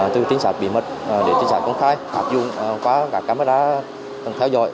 từ trinh sát bí mật đến trinh sát công khai phát dụng qua các camera tầng theo dõi